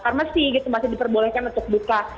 farmasi gitu masih diperbolehkan untuk buka